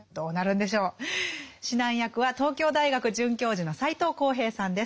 指南役は東京大学准教授の斎藤幸平さんです。